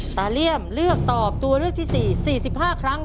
เลี่ยมเลือกตอบตัวเลือกที่๔๔๕ครั้ง